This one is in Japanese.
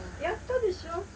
やったでしょ。